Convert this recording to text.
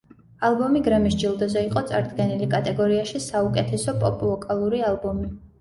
ალბომი გრემის ჯილდოზე იყო წარდგენილი კატეგორიაში საუკეთესო პოპ ვოკალური ალბომი.